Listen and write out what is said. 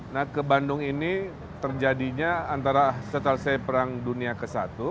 nah ke bandung ini terjadinya antara setelah perang dunia ke satu seribu sembilan ratus tujuh belas